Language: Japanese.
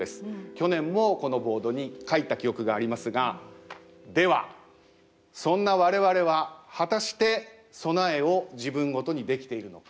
去年もこのボードに書いた記憶がありますがではそんな我々は果たして備えを自分ごとにできているのか？